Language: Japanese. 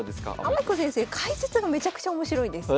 天彦先生解説がめちゃくちゃ面白いです。